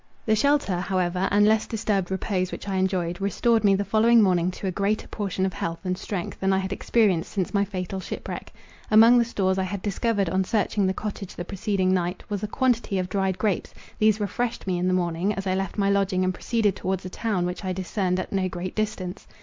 The shelter, however, and less disturbed repose which I enjoyed, restored me the following morning to a greater portion of health and strength, than I had experienced since my fatal shipwreck. Among the stores I had discovered on searching the cottage the preceding night, was a quantity of dried grapes; these refreshed me in the morning, as I left my lodging and proceeded towards a town which I discerned at no great distance.